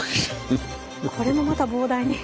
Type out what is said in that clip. これもまた膨大に。